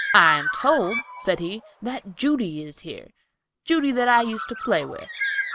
"I am told," said he, "that Judy is here, Judy, that I used to play with."